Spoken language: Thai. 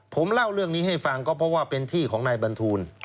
ผมเล่าเรื่องนี้ให้ฟังก็เพราะว่าเป็นที่ของนายบรรทูล